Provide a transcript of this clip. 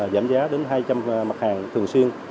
giảm giá đến hai trăm linh mặt hàng thường xuyên